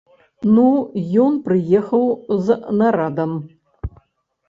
Ну ён прыехаў з нарадам.